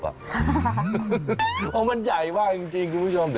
เพราะมันใหญ่มากจริงคุณผู้ชม